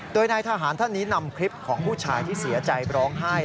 โดยนายทหารท่านนี้นำคลิปของผู้ชายที่เสียใจร้องไห้